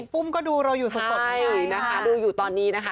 ปุ้มก็ดูเราอยู่สดอยู่นะคะดูอยู่ตอนนี้นะคะ